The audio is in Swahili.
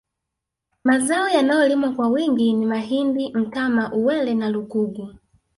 Mazao yanayolimwa kwa wingi ni mahindi mtama uwele na lugugu